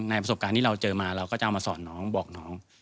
ประสบการณ์ที่เราเจอมาเราก็จะเอามาสอนน้องบอกน้อง